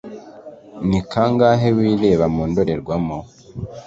Ni kangahe wireba mu ndorerwamo?